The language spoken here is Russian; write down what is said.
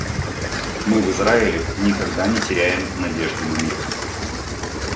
Мы в Израиле никогда не теряем надежды на мир.